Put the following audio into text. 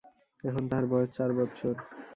এখন তাহার বয়স চার বৎসর।